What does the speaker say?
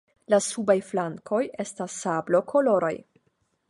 La subaj flankoj estas sablokoloraj.